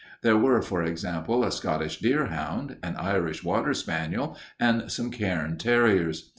There were, for example, a Scottish deerhound, an Irish water spaniel, and some cairn terriers.